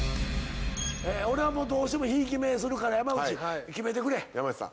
俺はどうしてもひいき目するから山内決めてくれ山内さん